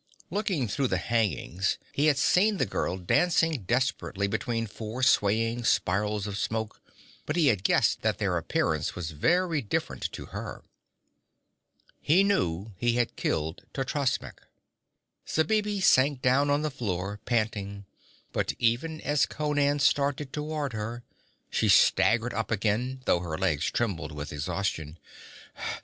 Looking through the hangings he had seen the girl dancing desperately between four swaying spirals of smoke, but he had guessed that their appearance was very different to her. He knew he had killed Totrasmek. Zabibi sank down on the floor, panting, but even as Conan started toward her, she staggered up again, though her legs trembled with exhaustion.